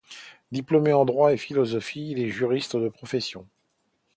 Diplômée en droit et philosophie, elle est juriste de profession.